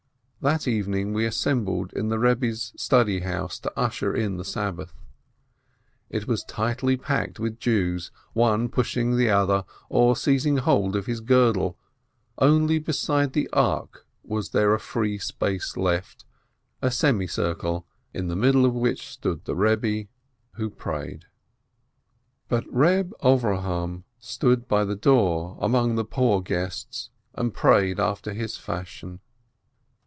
That evening we assembled in the Eebbe's house of study, to usher in the Sabbath. It was tightly packed with Jews, one pushing the other, or seizing hold of his girdle, only beside the ark was there a free space left, a semicircle, in the middle of which stood the Eebbe and prayed. But Eeb Avrohom stood by the door among the poor guests, and prayed after his fashion.